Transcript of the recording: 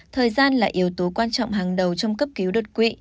thời gian là yếu tố quan trọng hàng đầu trong cấp cứu đột quỵ